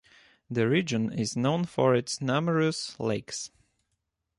The region is known for its numerous lakes.